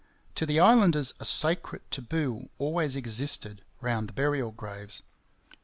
To the islanders a sacred 'taboo' always existed round the burial graves.